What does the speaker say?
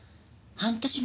半年前？